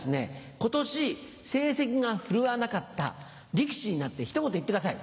今年成績が振るわなかった力士になってひと言言ってください。